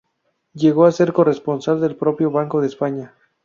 Llegó a ser corresponsal del propio Banco de España.